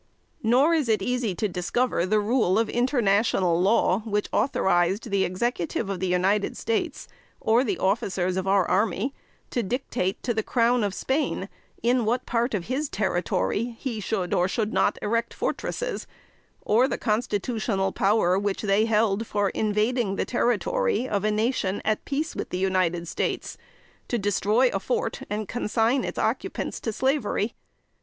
Nor is it easy to discover the rule of international law, which authorized the Executive of the United States, or the officers of our army, to dictate to the crown of Spain in what part of his territory he should, or should not, erect fortresses; or the constitutional power which they held for invading the territory of a nation at peace with the United States, destroy a fort, and consign its occupants to slavery.